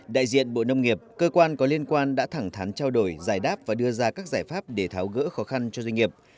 đại diện bộ nông nghiệp cơ quan có liên quan đã thẳng thắn trao đổi giải đáp và đưa ra các giải pháp để tháo gỡ khó khăn cho doanh nghiệp